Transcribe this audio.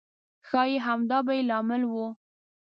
ښایي همدا به یې لامل و.